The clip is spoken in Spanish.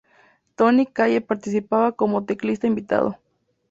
Tony Kaye participaba como teclista invitado.